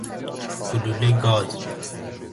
گلوله گاز